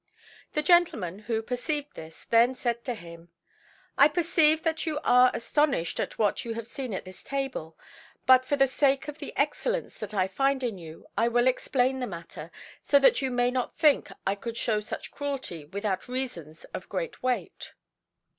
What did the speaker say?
The gentleman, who perceived this, then said to him "I perceive that you are astonished at what you have seen at this table; but for the sake of the excellence that I find in you I will explain the matter, so that you may not think I could show such cruelty without reasons of great weight.